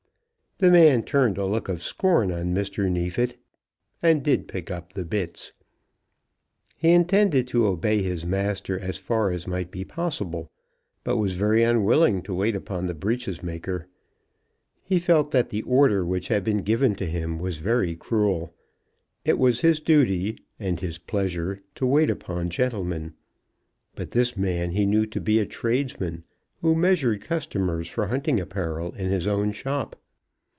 The man turned a look of scorn on Mr. Neefit, and did pick up the bits. He intended to obey his master as far as might be possible, but was very unwilling to wait upon the breeches maker. He felt that the order which had been given to him was very cruel. It was his duty, and his pleasure to wait upon gentlemen; but this man he knew to be a tradesman who measured customers for hunting apparel in his own shop.